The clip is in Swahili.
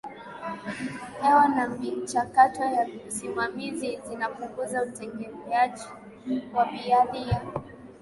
hewa na michakato ya usimamizi zinapunguza utegemeaji wa baadhi ya